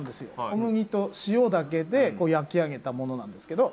小麦と塩だけで焼き上げたものなんですけど。